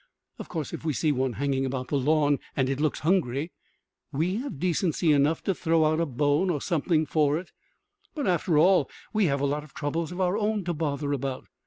Of course, if we see one hanging about the lawn and it looks hungry we have decency enough to throw out a bone or something for it, but after all we have a lot of troubles of our own to bother about.